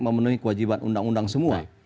memenuhi kewajiban undang undang semua